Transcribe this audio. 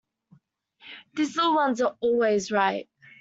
These little ones are always right!